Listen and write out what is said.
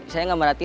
saya gak merhati